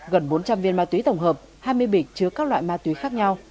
gần bốn trăm linh viên ma túy tổng hợp hai mươi bịch chứa các loại ma túy khác nhau